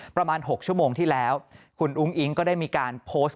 ประมาณ๖ชั่วโมงที่แล้วคุณอุ้งอิ๊งก็ได้มีการโพสต์